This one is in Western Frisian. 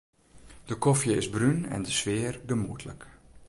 De kofje is brún en de sfear gemoedlik.